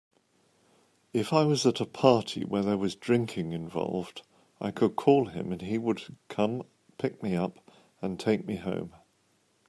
If I was at a party where there was drinking involved, I could call him and he would come pick me up and take me home.